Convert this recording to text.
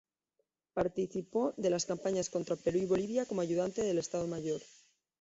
Participó de las campañas contra Perú y Bolivia como ayudante del Estado Mayor.